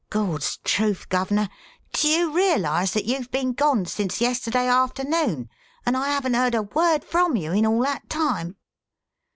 Gawd's truth, guv'ner, do you realise that you've been gone since yesterday afternoon and I haven't heard a word from you in all that time?"